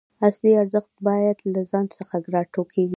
اصلي ارزښت باید له ځان څخه راټوکېږي.